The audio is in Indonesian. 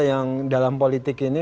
yang dalam politik ini